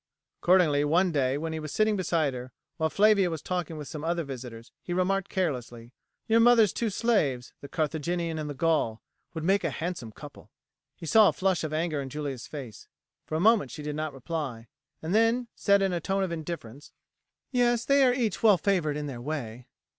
Accordingly one day when he was sitting beside her, while Flavia was talking with some other visitors, he remarked carelessly, "Your mother's two slaves, the Carthaginian and the Gaul, would make a handsome couple." He saw a flush of anger in Julia's face. For a moment she did not reply, and then said in a tone of indifference: "Yes, they are each well favoured in their way."